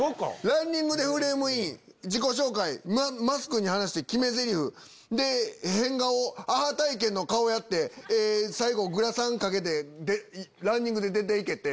ランニングでフレームイン自己紹介『マスク』話して決めゼリフで変顔アハ体験の顔やって最後グラサン掛けてランニングで出て行けって。